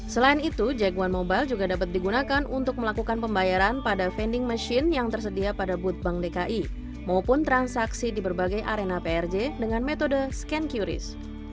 selain itu jack one mobile juga dapat digunakan untuk melakukan pembayaran pada vending machine yang tersedia pada boot bank dki maupun transaksi di berbagai arena prj dengan metode scan qris